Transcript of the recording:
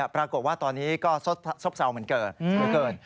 ปรากฏว่าตอนนี้ก็ซบเซาเหมือนเกิน